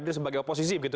diri sebagai oposisi begitu